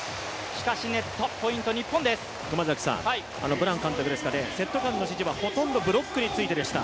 ブラン監督ですが、セット間の指示はほとんどブロックについてでした。